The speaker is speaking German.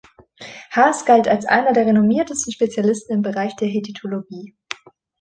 Haas galt als einer der renommiertesten Spezialisten im Bereich der Hethitologie.